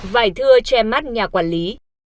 vải thưa che mắt nhà quản lý